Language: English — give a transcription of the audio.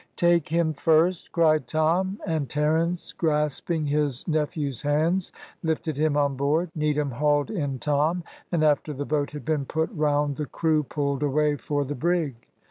"Take him first," cried Tom, and Terence, grasping his nephew's hands, lifted him on board; Needham hauled in Tom, and after the boat had been put round the crew pulled away for the brig.